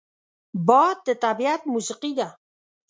باد د طبیعت موسیقي ده